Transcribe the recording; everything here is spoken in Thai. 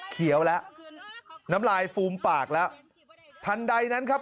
เขียวแล้วน้ำลายฟูมปากแล้วทันใดนั้นครับ